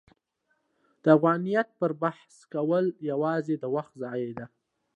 د افغانیت پر بحث کول یوازې د وخت ضایع ده.